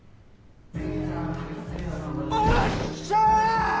おっしゃ！